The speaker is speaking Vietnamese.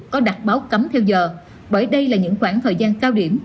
có đặt báo cấm theo giờ bởi đây là những khoảng thời gian cao điểm